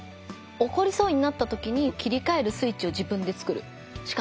怒りそうになったときに切り替えるスイッチを自分でつくるしかない。